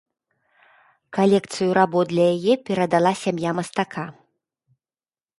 Калекцыю работ для яе перадала сям'я мастака.